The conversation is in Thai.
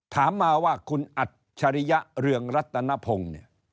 ถามมาว่าคุณอัตชริยะเรืองรัตนพง